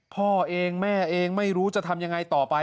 พ่อเองแม่เองไม่รู้จะทำยังไงต่อไป